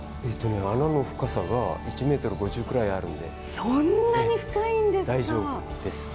穴の深さが１ｍ５０ぐらいあるのでそんなに深いんですか。